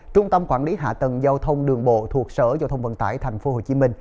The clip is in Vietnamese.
trung tâm quản lý hạ tầng giao thông đường bộ thuộc sở giao thông vận tải tp hcm